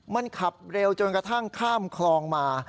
มันขับเร็วจนกระทั่งข้ามคลองมา